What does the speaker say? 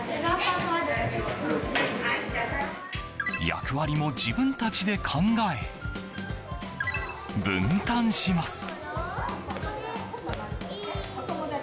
役割も自分たちで考え分担します。